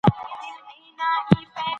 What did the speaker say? د هغه افکار ډیر لوړ دي.